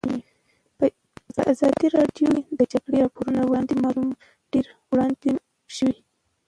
په ازادي راډیو کې د د جګړې راپورونه اړوند معلومات ډېر وړاندې شوي.